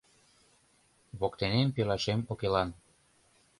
Воктенем пелашем укелан.